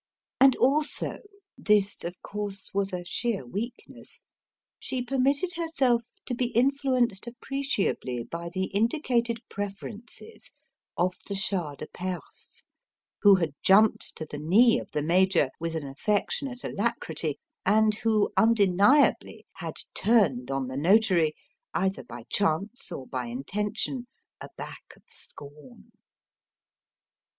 And, also this, of course, was a sheer weakness she permitted herself to be influenced appreciably by the indicated preferences of the Shah de Perse: who had jumped to the knee of the Major with an affectionate alacrity; and who undeniably had turned on the Notary either by chance or by intention a back of scorn.